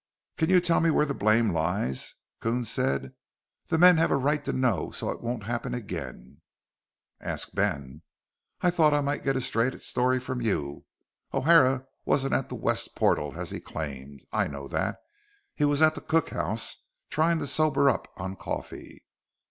"Can you tell me where the blame lies?" Coons said. "The men have a right to know. So it won't happen again." "Ask Ben." "Thought I might get a straight story from you. O'Hara wasn't at the west portal as he claimed, I know that. He was at the cookhouse trying to sober up on coffee."